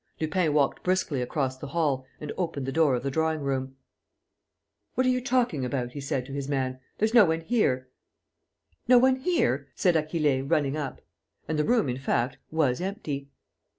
Lupin walked briskly across the hall and opened the door of the drawing room: "What are you talking about?" he said, to his man. "There's no one here." "No one here?" said Achille, running up. And the room, in fact, was empty.